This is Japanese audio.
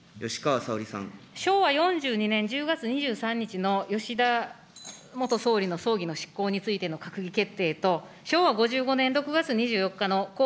昭和４２年１０月２３日の吉田元総理の葬儀の執行についての閣議決定と、昭和５５年６月２４日の故